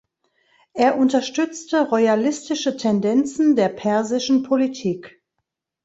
Er unterstützte royalistische Tendenzen der persischen Politik.